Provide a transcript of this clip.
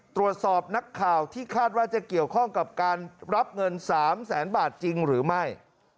ตรวจสอบนักข่าวที่คาดว่าจะเกี่ยวข้องกับการรับเงิน๓แสนบาทจริงหรือไม่